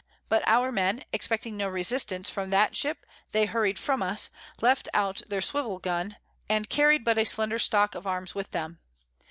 But our Men expecting no Resistance from that Ship, they hurry'd from us, left out their Swivel Gun, and carry'd but a slender Stock of Arms with them.